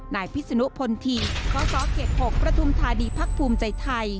นายพิษนุพลธีข้อส๗๖ประธุมธานีพักภูมิใจไทย